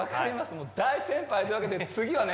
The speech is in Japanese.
もう大先輩というわけでね次はね